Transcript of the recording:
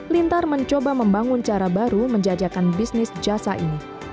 lintar mencoba membangun cara baru menjajakan bisnis jasa ini